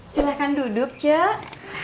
silahkan duduk cuk